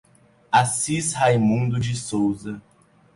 Assis Raimundo de Souza